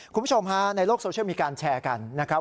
คุณผู้ชมฮะในโลกโซเชียลมีการแชร์กันนะครับ